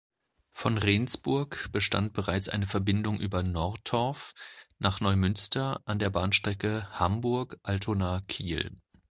Von Rendsburg bestand bereits eine Verbindung über Nortorf nach Neumünster an der Bahnstrecke Hamburg-Altona–Kiel.